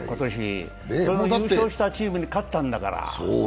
その優勝したチームに勝ったんだから。